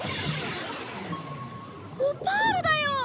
オパールだよ！